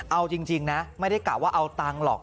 เอาจริงนะไม่ได้กะว่าเอาตังค์หรอก